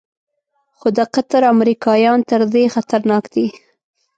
خو د قطر امریکایان تر دې خطرناک دي.